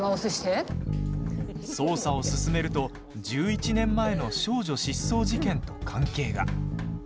捜査を進めると１１年前の少女失踪事件と関係が。